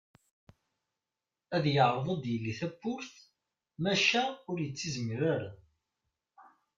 Ad yeɛreḍ ad yeldi tawwurt maca ur yettazmar ara.